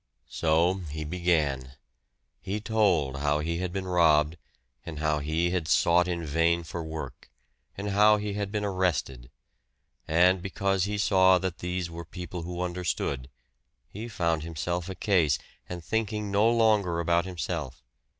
So he began. He told how he had been robbed, and how he had sought in vain for work, and how he had been arrested. And because he saw that these were people who understood, he found himself a case, and thinking no longer about himself.